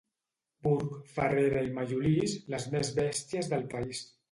Burg, Farrera i Mallolís: les més bèsties del país.